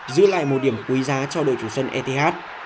giữ lại một điểm quý giá cho đội chủ sân eth